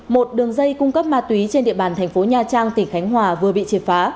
một đường dây cung cấp ma túy trên địa bàn thành phố nha trang tỉnh khánh hòa vừa bị triệt phá